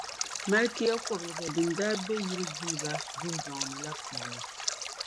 Malikia kɔbiliga din daa be yiliguliba dundɔŋ ni la puuni.